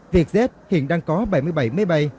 vietjet hiện đang có bảy mươi bảy máy bay